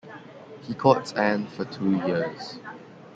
He courts Anne for two years.